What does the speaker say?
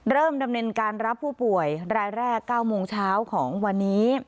เริ่มดำเนินการรับผู้ป่วยรายแรก๙โมงเช้าของวันนี้